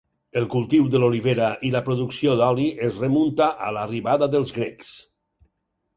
El cultiu de l’olivera i la producció d’oli es remunta a l’arribada dels grecs.